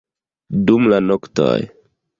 dum la noktoj